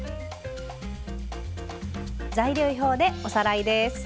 材料表でおさらいです。